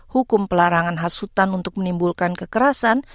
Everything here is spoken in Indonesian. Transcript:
hukum pelarangan hasutan untuk menimbulkan kekerasan